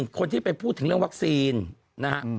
คนที่ไปพูดถึงเรื่องวัคซีนนะฮะ